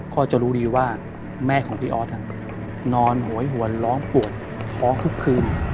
ก็จะรู้ดีว่าแม่ของพี่ออสนอนโหยหวนร้องปวดท้องทุกคืน